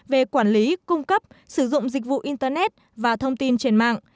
về quản lý cung cấp sử dụng dịch vụ internet và thông tin trên mạng